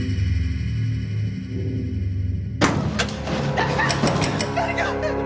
誰か誰か！